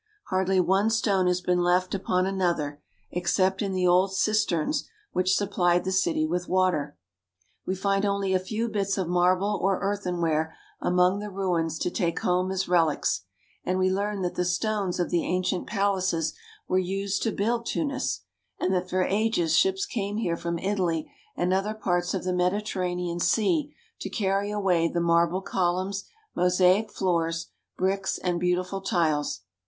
Hardly one stone has been left upon another, except in the old cisterns which supplied the THE DESERT OF SAHARA 55 city with water. We find only a few bits of marble or earthenware among the ruins to take home as relics ; and we learn that the stones of the ancient palaces were used to build Tunis, and that for ages ships came here from Italy and other parts of the Mediterranean Sea to carry away the marble columns, mosaic floors, bricks, and beautiful tiles.